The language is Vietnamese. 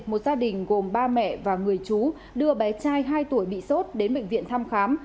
một gia đình gồm ba mẹ và người chú đưa bé trai hai tuổi bị sốt đến bệnh viện thăm khám